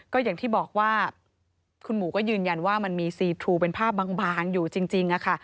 ก็อย่างที่บอกว่าคุณหมูก็ยืนยันว่ามันมีซีทรูเป็นภาพบางอยู่จริงค่ะ